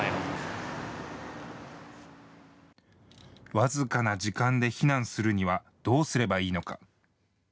僅かな時間で避難するにはどうすればいいのか。